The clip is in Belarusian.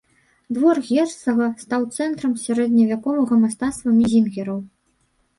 Двор герцага стаў цэнтрам сярэдневяковага мастацтва мінезінгераў.